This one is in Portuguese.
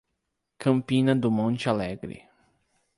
Campina do Monte Alegre